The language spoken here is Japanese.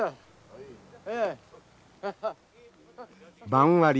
番割り。